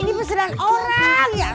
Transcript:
ini pesanan orang ya